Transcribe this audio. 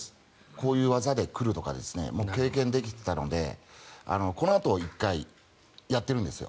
こういう技で来るとか経験できていたのでこのあと１回やってるんですよ。